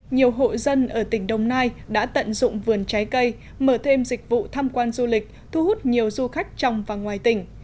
nhiều hộ dân ở tỉnh đồng nai đã tận dụng vườn trái cây mở thêm dịch vụ tham quan du lịch thu hút nhiều du khách trong và ngoài tỉnh